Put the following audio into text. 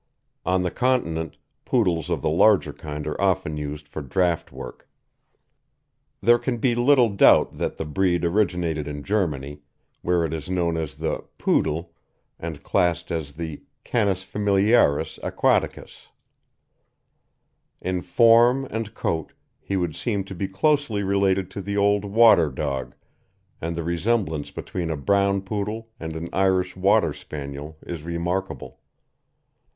On the Continent Poodles of the larger kind are often used for draught work. There can be little doubt that the breed originated in Germany, where it is known as the Pudel, and classed as the Canis familiaris Aquaticus. In form and coat he would seem to be closely related to the old Water dog, and the resemblance between a brown Poodle and an Irish Water Spaniel is remarkable.